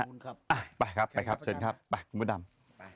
ขอบคุณครับไปครับไปครับเชิญครับไปคุณพระดำ